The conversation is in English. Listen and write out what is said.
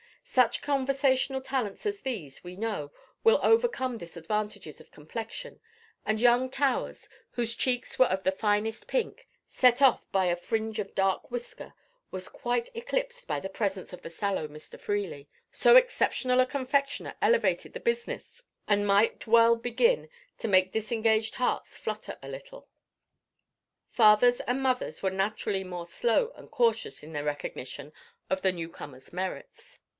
Such conversational talents as these, we know, will overcome disadvantages of complexion; and young Towers, whose cheeks were of the finest pink, set off by a fringe of dark whisker, was quite eclipsed by the presence of the sallow Mr. Freely. So exceptional a confectioner elevated the business, and might well begin to make disengaged hearts flutter a little. Fathers and mothers were naturally more slow and cautious in their recognition of the newcomer's merits.